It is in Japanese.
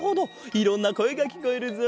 いろんなこえがきこえるぞ。